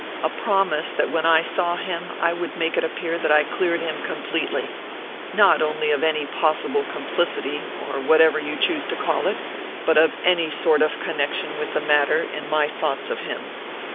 a promise that when I saw him I would make it appear that I cleared him completely, not only of any possible complicity, or whatever you choose to call it, but of any sort of connection with the matter in my thoughts of him.